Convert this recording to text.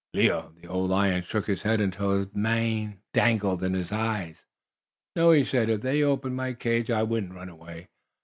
Leo, the old lion, shook his head until his mane dangled in his eyes. "No," he said, "if they opened my cage, I wouldn't run away.